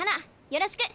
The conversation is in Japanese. よろしく。